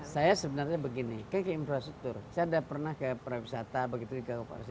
saya sebenarnya begini kek infrastruktur saya udah pernah ke perwisata begitu juga operasi